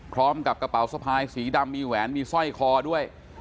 พร้อมกับกระเป๋าสะพายสีดำมีแหวนมีสร้อยคอด้วย